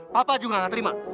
papa juga gak terima